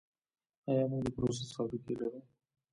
آیا موږ د پروسس فابریکې لرو؟